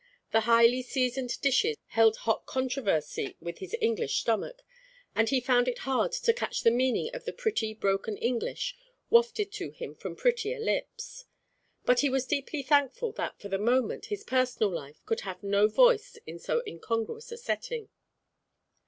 The highly seasoned dishes held hot controversy with his English stomach; and he found it hard to catch the meaning of the pretty broken English wafted to him from prettier lips; but he was deeply thankful that for the moment his personal life could have no voice in so incongruous a setting.